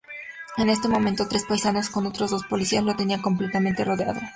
En ese momento, tres paisanos con otros dos policías lo tenían completamente rodeado.